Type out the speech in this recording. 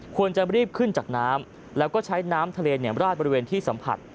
ควรจะรีบขึ้นจากน้ำแล้วก็ใช้น้ำทะเลราดบริเวณที่สัมผัส